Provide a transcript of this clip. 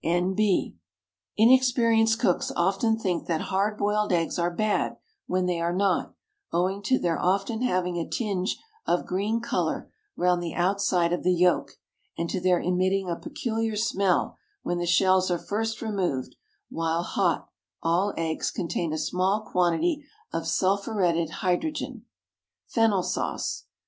N.B. Inexperienced cooks often think that hard boiled eggs are bad when they are not, owing to their often having a tinge of green colour round the outside of the yolk and to their emitting a peculiar smell when the shells are first removed while hot All eggs contain a small quantity of sulphuretted hydrogen. FENNEL SAUCE.